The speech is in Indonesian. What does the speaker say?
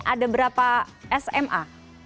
ada berapa sma